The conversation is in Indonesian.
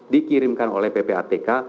dikirimkan oleh ppatk